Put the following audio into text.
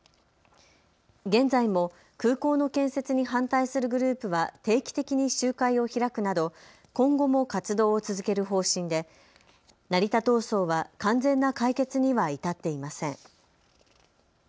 現在も空港の建設に反対するグループは定期的に集会を開くなど今後も活動を続ける方針で成田闘争は完全な解決には至っていません。